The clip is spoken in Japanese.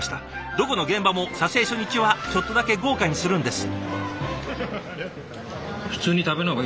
どこの現場も撮影初日はちょっとだけ豪華にするんです。